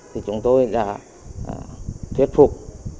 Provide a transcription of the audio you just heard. thì chúng tôi đã thuyết phục